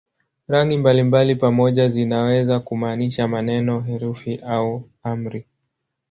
Rangi mbalimbali pamoja zinaweza kumaanisha maneno, herufi au amri.